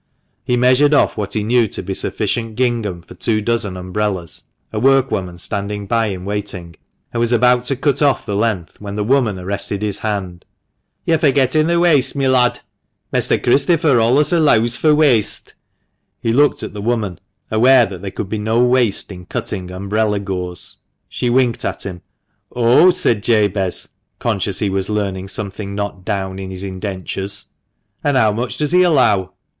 He measured off what he knew to be sufficient gingham for two dozen umbrellas (a workwoman standing by in waiting), and was about to cut off the length when the woman arrested his hand. " Yo're furgettin1 th' weaste, mi lad ; Mester Christopher allus alleaws fur weaste." He looked at the woman, aware there could be no waste in cutting umbrella gores. She winked at him. THE MANCHESTER MAN. 161 "Oh!" said Jabez, conscious he was learning something not down in his indentures. "And how much does he allow?"